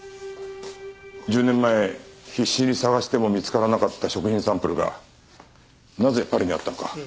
１０年前必死に捜しても見つからなかった食品サンプルがなぜパリにあったのか。